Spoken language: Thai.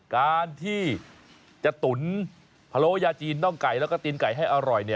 การที่จะตุ๋นพะโล้ยาจีนน่องไก่แล้วก็ตีนไก่ให้อร่อย